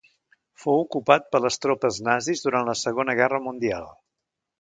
Fou ocupat per les tropes nazis durant la Segona Guerra Mundial.